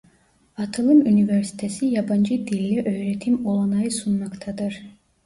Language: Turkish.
Atılım Üniversitesi yabancı dille öğretim olanağı sunmaktadır.